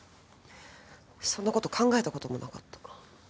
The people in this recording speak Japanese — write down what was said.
そんなこと考えたこともなかった。